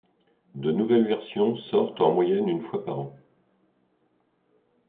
De nouvelles versions sortent en moyenne une fois par an.